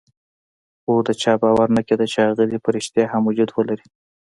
خو د چا باور نه کېده چې هغه دې په ريښتیا هم وجود ولري.